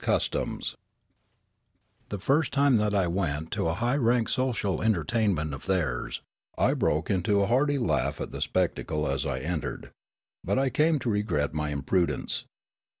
CUSTOMS THE first time that I went to a high rank social entertainment of theirs, I broke into a hearty laugh at the spectacle as I entered ; but I came to regret my imprudence.